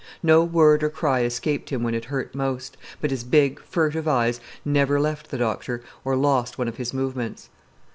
No word or cry escaped him when it hurt most, but his bright, furtive eyes never left the doctor or lost one of his movements.